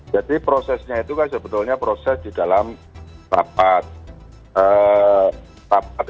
jadi prosesnya itu kan sebetulnya proses di dalam rapat evaluasi bersama sama sdi